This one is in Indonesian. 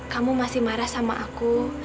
kamu masih marah sama aku